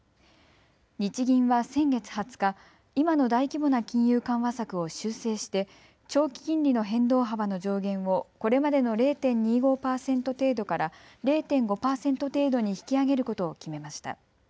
日銀は先月２０日、今の大規模な金融緩和策を修正して長期金利の変動幅の上限をこれまでの０．２５％程度から０．５％程度に引き上げることを決めました。